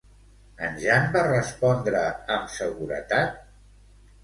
En Jan va respondre amb seguretat?